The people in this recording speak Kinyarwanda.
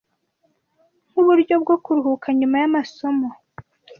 Nk’uburyo bwo kuruhuka nyuma y’amasomo